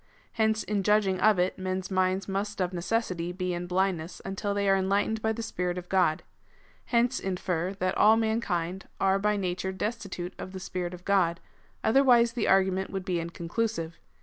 Hence in judging of it, men's minds must of necessity be in blindness until they are enlightened by the Spirit of God.^ Hence infer, that all mankind are by nature destitute of the Sjjirit of God : otherwise the argument would be inconclusive.